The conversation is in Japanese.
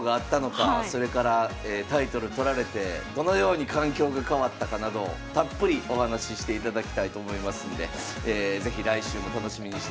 それからタイトル取られてどのように環境が変わったかなどたっぷりお話ししていただきたいと思いますんで是非来週も楽しみにしていただきたいと思います。